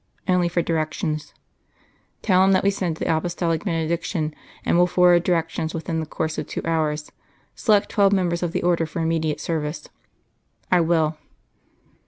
"'Only for directions.'" "Tell him that we send him the Apostolic Benediction, and will forward directions within the course of two hours. Select twelve members of the Order for immediate service." "'I will.